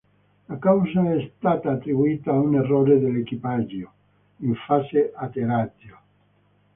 La causa è stata attribuita a un errore dell'equipaggio in fase atterraggio.